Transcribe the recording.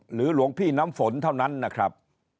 หลวงพี่น้ำฝนเท่านั้นนะครับ